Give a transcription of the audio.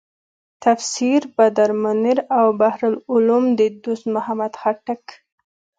تفسیر بدرمنیر او بحر العلوم د دوست محمد خټک.